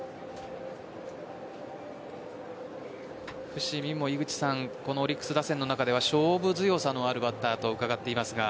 伏見もこのオリックス打線の中では勝負強さのあるバッターと伺っていますが。